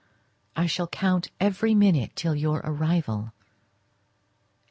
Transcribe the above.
I shall count every minute till your arrival.